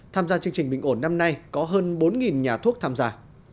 tham gia chương trình bình ổn năm nay có hơn bốn nhà thuốc tham gia